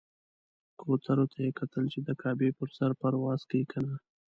کوترو ته یې کتل چې د کعبې پر سر پرواز کوي کنه.